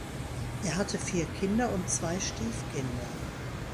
Er hatte vier Kinder und zwei Stiefkinder.